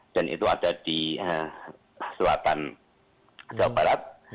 dan itu ada di selatan jawa barat